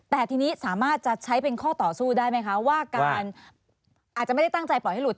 แต่ทีนี้สามารถจะใช้เป็นข้อต่อสู้ได้ไหมคะว่าการอาจจะไม่ได้ตั้งใจปล่อยให้หุด